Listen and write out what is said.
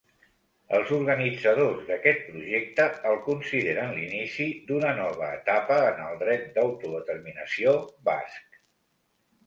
Els organitzadors d'aquest projecte el consideren l'inici d'una nova etapa en el dret d'autodeterminació basc.